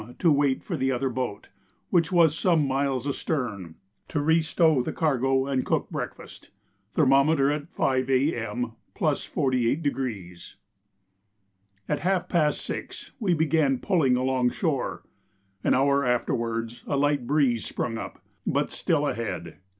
to wait for the other boat, which was some miles astern, to re stow the cargo and cook breakfast. Thermometer at 5 A.M. +48°. At half past 6 we began pulling along shore. An hour afterwards a light breeze sprung up, but still ahead.